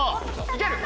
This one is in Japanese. いける。